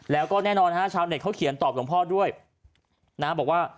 และแน่นอนนะจะเห็นถ่๐๔๐๔บอกว่า